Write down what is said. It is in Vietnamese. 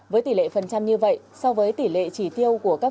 với tỷ lệ phần trăm như vậy so với tỷ lệ chỉ tiêu của các phương tích